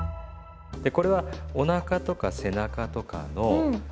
これはおなかとか背中とかの筋肉ね。